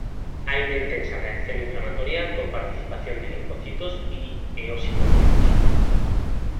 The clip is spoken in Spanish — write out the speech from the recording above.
Hay una intensa reacción inflamatoria con participación de linfocitos y eosinófilos.